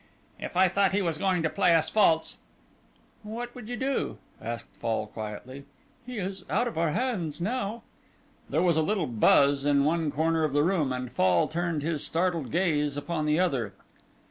"If I thought he was going to play us false " "What would you do?" asked Fall quietly. "He is out of our hands now." There was a little buzz in one corner of the room, and Fall turned his startled gaze upon the other.